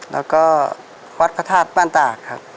แล้วก็วัดพระธาตุบ้านตากครับ